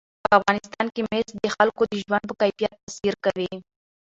په افغانستان کې مس د خلکو د ژوند په کیفیت تاثیر کوي.